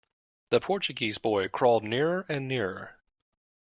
The Portuguese boy crawled nearer and nearer.